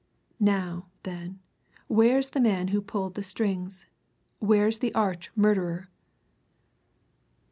Now, then where's the man who pulled the strings! Where's the arch murderer!"